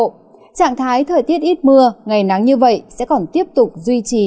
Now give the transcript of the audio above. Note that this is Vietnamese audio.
trạng thái thời tiết ít mưa ngày nắng như vậy sẽ còn tiếp tục duy trì